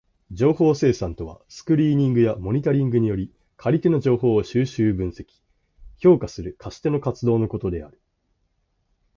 情報生産とはスクリーニングやモニタリングにより借り手の情報を収集、分析、評価する貸し手の活動のことである。